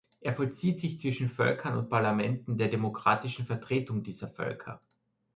Er vollzieht sich zwischen Völkern und Parlamenten, der demokratischen Vertretung dieser Völker.